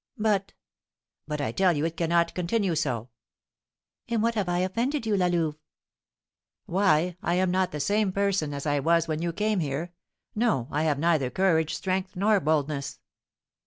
"But " "But I tell you it cannot continue so." "In what have I offended you, La Louve?" "Why, I am not the same person I was when you came here; no, I have neither courage, strength, nor boldness."